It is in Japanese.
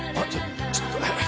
ちょっと。